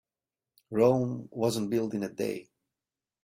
Rome wasn't built in a day.